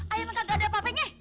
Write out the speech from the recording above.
ayah mah kagak ada apa apenye